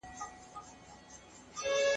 دوی به تر ډيري مودې نورو ته درناوی کړی وي.